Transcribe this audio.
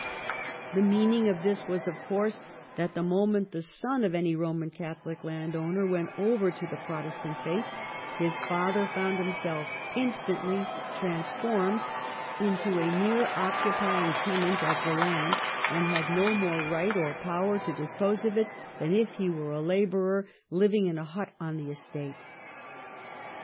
The meaning of this was, of course, that the moment the son of any Eoman Catholic landowner went over to the Pro testant Church, his father found himself instantly transformed into a mere occupying tenant of the land, and had no more right or power to dispose of it than if he were a labourer living in a hut on the estate.